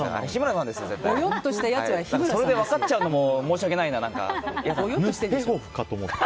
それで分かっちゃうのも申し訳ないな。